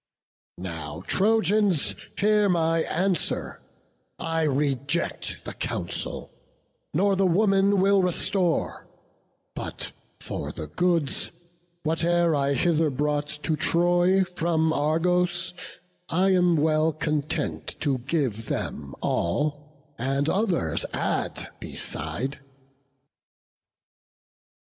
Now, Trojans, hear my answer; I reject The counsel, nor the woman will restore; But for the goods, whate'er I hither brought To Troy from Argos, I am well content To give them all, and others add beside."